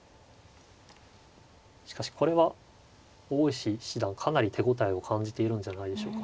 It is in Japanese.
しかしこれは大石七段かなり手応えを感じているんじゃないでしょうか。